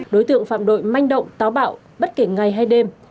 đối tượng phạm đội manh động táo bạo bất kể ngày hay đêm